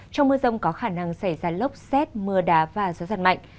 trong mưa rông có khả năng xảy ra lốc xét mưa đá và gió giật mạnh